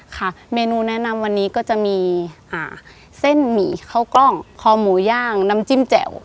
ค่ะเมนูแนะนำวันนี้ก็จะมีเส้นหมี่ข้าวกล้องคอหมูย่างน้ำจิ้มแจ่ว